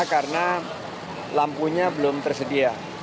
karena lampunya belum tersedia